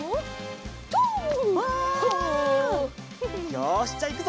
よしじゃあいくぞ！